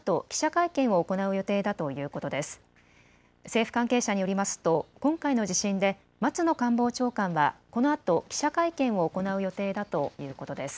政府関係者によりますと今回の地震で松野官房長官はこのあと記者会見を行う予定だということです。